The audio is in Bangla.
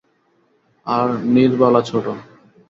আর নীরবালা ছোটো।